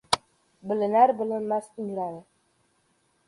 Bilinar-bilinmas ingradi...